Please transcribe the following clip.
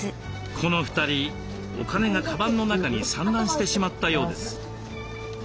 この２人お金がカバンの中に散乱してしまったようです。